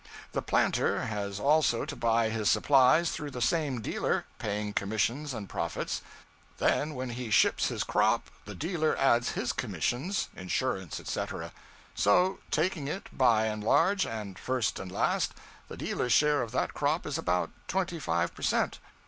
The planter has also to buy his supplies through the same dealer, paying commissions and profits. Then when he ships his crop, the dealer adds his commissions, insurance, etc. So, taking it by and large, and first and last, the dealer's share of that crop is about 25 per cent.'